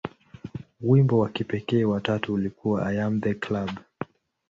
Wimbo wa kipekee wa tatu ulikuwa "I Am The Club".